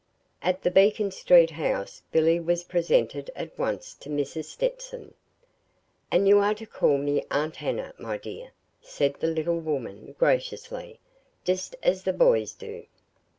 At the Beacon Street house Billy was presented at once to Mrs. Stetson. "And you are to call me 'Aunt Hannah,' my dear," said the little woman, graciously, "just as the boys do."